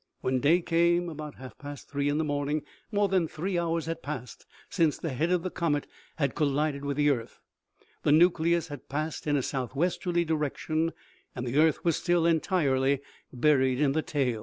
When day came, about half past three in the morning, more than three hours had passed since the head of the comet had collided with the earth ; the nucleus had passed in a southwesterly direction, and the earth was still entirely buried in the tail.